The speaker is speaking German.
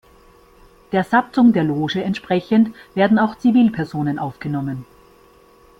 Der Satzung der Loge entsprechend werden auch Zivilpersonen aufgenommen.